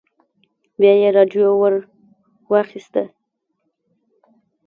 بيا يې راډيو ور واخيسته.